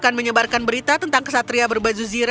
aku akan menyebarkan berita tentang kesatria berbaju zirah